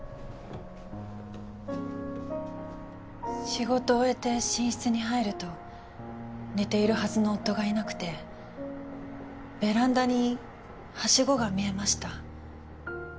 仕事を終えて寝室に入ると寝ているはずの夫がいなくてベランダにハシゴが見えました。